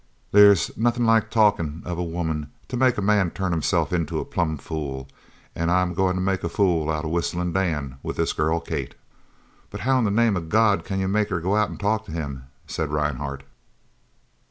They's nothin' like talkin' of a woman to make a man turn himself into a plumb fool, an' I'm goin' to make a fool out of Whistlin' Dan with this girl Kate!" "But how in the name of God c'n you make her go out an' talk to him?" said Rhinehart.